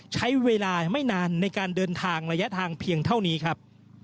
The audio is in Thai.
ใช้เวลาไม่นานในการเดินทางระยะทางเพียงเท่านี้ครับ